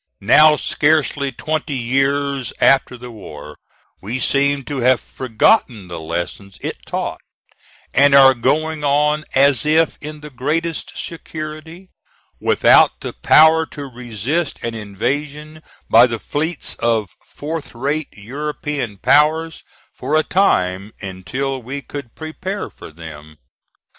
Now, scarcely twenty years after the war, we seem to have forgotten the lessons it taught, and are going on as if in the greatest security, without the power to resist an invasion by the fleets of fourth rate European powers for a time until we could prepare for them.